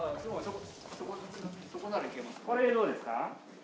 これでどうですか？